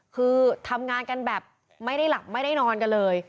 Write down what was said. คือทำงานกันแบบไม่ได้หลับไม่ได้นอนกันเลย